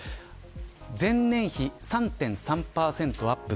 前年比３．３％アップ